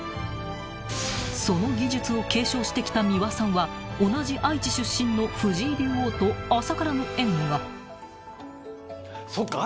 ［その技術を継承してきた三輪さんは同じ愛知出身の藤井竜王と浅からぬ縁が］